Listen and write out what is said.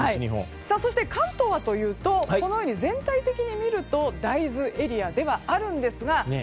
そして、関東はというと全体的に見ると大豆エリアではあるんですが